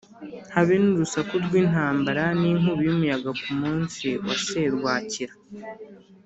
habe n’urusaku rw’intambara n’inkubi y’umuyaga ku munsi wa serwakira